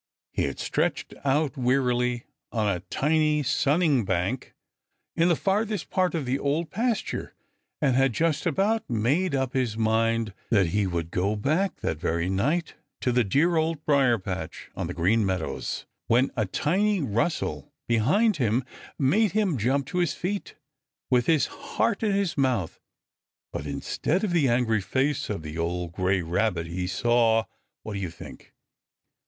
He had stretched out wearily on a tiny sunning bank in the farthest corner of the Old Pasture, and had just about made up his mind that he would go back that very night to the dear Old Briar patch on the Green Meadows, when a tiny rustle behind him made him jump to his feet with his heart in his mouth. But instead of the angry face of the old gray Rabbit he saw what do you think?